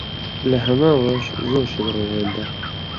لە هەمان ڕۆژ، زۆر شت ڕوویان دا.